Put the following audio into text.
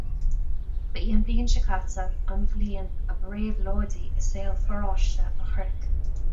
Ba í an bhliain seo caite an bhliain ab réabhlóidí i saol pharáiste an Chnoic.